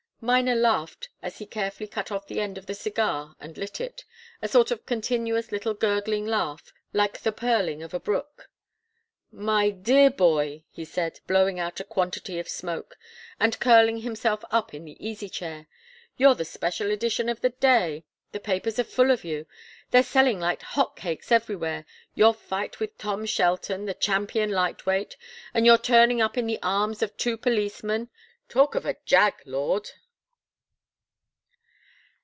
Miner laughed as he carefully cut off the end of the cigar and lit it a sort of continuous little gurgling laugh, like the purling of a brook. "My dear boy," he said, blowing out a quantity of smoke, and curling himself up in the easy chair, "you're the special edition of the day. The papers are full of you they're selling like hot cakes everywhere your fight with Tom Shelton, the champion light weight and your turning up in the arms of two policemen talk of a 'jag!' Lord!"